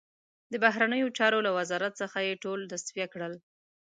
د بهرنیو چارو له وزارت څخه یې ټول تصفیه کړل.